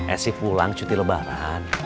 esi pulang cuti lebaran